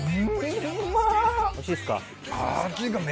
おいしいですか？